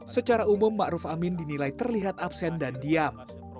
secara umum ma'ruf amin dinilai terlihat absen dan diam